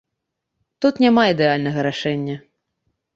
Тут няма ідэальнага рашэння.